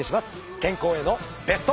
健康へのベスト。